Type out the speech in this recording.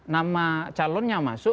nama calonnya masuk